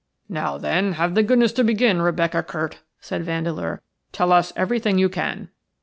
"Now, then, have the goodness to begin, Rebecca Curt," said Vandeleur. "Tell us everything you can."